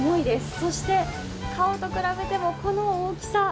そして、顔と比べてもこの大きさ。